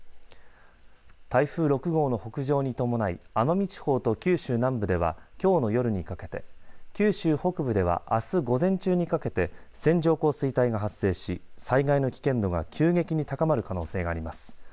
台風６号の北上に伴い奄美地方と九州南部ではきょうの夜にかけて九州北部ではあす午前中にかけて線状降水帯が発生し災害の危険度が急激に高まる可能性があります。